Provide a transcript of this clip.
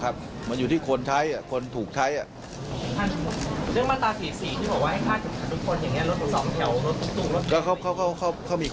ก็เขามีค่อยยกเว้นได้ไหมก็ไปดูสิ